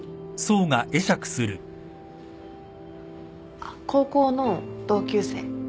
あっ高校の同級生。